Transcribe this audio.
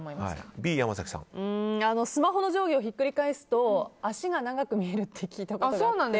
スマホの上下をひっくり返すと足が長く見えるって。